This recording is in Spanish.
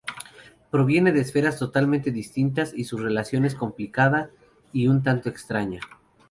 Provienen de esferas totalmente distintas y su relación es complicada y un tanto extraña.